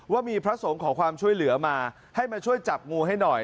ว่ามีพระสงฆ์ขอความช่วยเหลือมาให้มาช่วยจับงูให้หน่อย